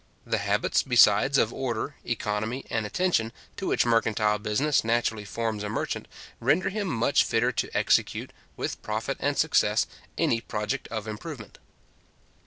The habits, besides, of order, economy, and attention, to which mercantile business naturally forms a merchant, render him much fitter to execute, with profit and success, any project of improvement.